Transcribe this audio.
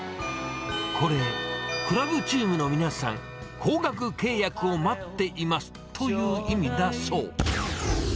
これ、クラブチームの皆さん、高額契約を待っていますという意味だそう。